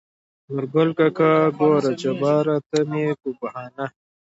نورګل کاکا: ګوره جباره ته مې په بهانه